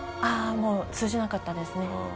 ああもう通じなかったですね。